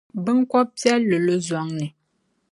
Binkɔb’piɛlli lo zɔŋni.